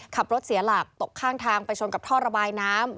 ขับรถเสียหลักตกข้างทางไปชนกับท่อระบายน้ำ